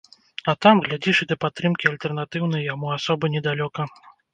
А там, глядзіш, і да падтрымкі альтэрнатыўнай яму асобы недалёка.